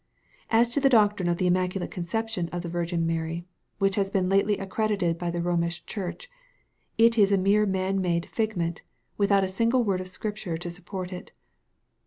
As to the doctrine of the immaculate conception of the Virgin Mary, which has been lately accredited by the Romish Church, it is a mere man made figment, without a single word of Scripture to support it.